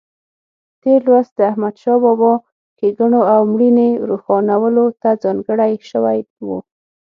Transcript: تېر لوست د احمدشاه بابا ښېګڼو او مړینې روښانولو ته ځانګړی شوی و.